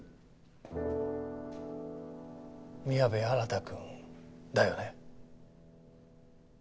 宮部新くんだよね？